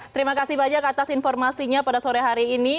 terima kasih banyak atas informasinya pada sore hari ini